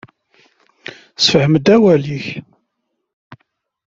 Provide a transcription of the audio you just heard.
Sefhem-d awal-ik.